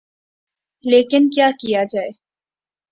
لیکن کیا کیا جائے۔